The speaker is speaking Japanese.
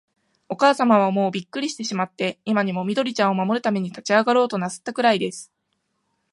おかあさまは、もうびっくりしてしまって、今にも、緑ちゃんを守るために立ちあがろうとなすったくらいです。